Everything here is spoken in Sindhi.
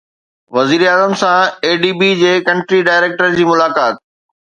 وزيراعظم سان اي ڊي بي جي ڪنٽري ڊائريڪٽر جي ملاقات